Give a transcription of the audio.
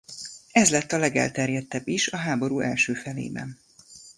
Ez lett a legelterjedtebb is a háború első felében.